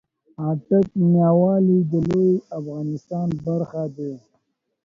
آټک ، ميان والي د لويې افغانستان برخه دې